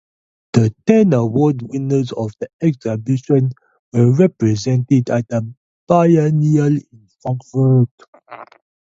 The ten award winners of the exhibition were represented at the Biennial in Frankfurt.